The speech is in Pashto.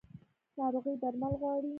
ناروغي درمل غواړي